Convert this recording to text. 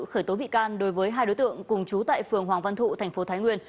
khởi tố bị can đối với hai đối tượng cùng chú tại phường hoàng văn thụ tp thái nguyên